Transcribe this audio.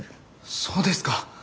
そうですか。